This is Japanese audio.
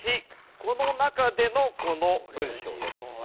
この中でのこの文章です。